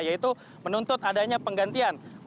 yaitu menuntut adanya penggantian